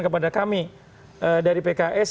kepada kami dari pks